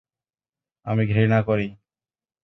আমি ঘৃণা করি।